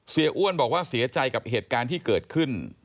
อ้วนบอกว่าเสียใจกับเหตุการณ์ที่เกิดขึ้น